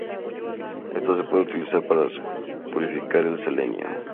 Esto se puede utilizar para purificar el selenio.